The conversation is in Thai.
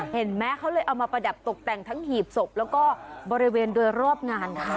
เห็นไหมเขาเลยเอามาประดับตกแต่งทั้งหีบศพแล้วก็บริเวณโดยรอบงานค่ะ